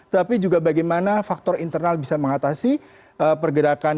tapi juga bagaimana faktor internal bisa mengatasi pergerakan